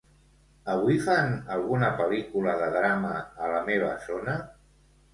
Avui fan alguna pel·lícula de drama a la meva zona?